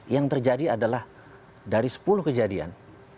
yang terjadi adalah dari sepuluh kejadian